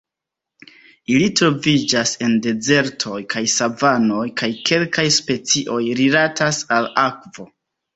Ili troviĝas en dezertoj kaj savanoj kaj kelkaj specioj rilatas al akvo.